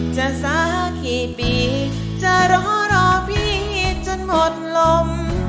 จะสร้างกี่ปีจะรอรอพี่จนหมดลม